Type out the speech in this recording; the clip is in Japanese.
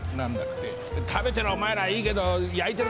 「食べてるお前らはいいけど」。